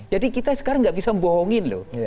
jadi kita sekarang nggak bisa membohongin loh